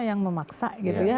yang memaksa gitu ya